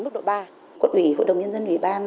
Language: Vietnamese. mức độ ba quận ủy hội đồng nhân dân ủy ban